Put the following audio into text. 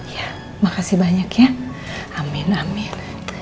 ya makasih banyak ya amin amin